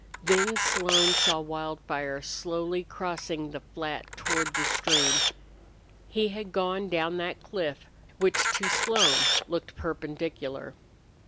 Then Slone saw Wildfire slowly crossing the flat toward the stream. He had gone down that cliff, which to Slone looked perpendicular.